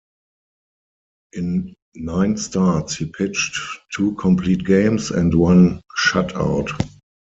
In nine starts, he pitched two complete games and one shutout.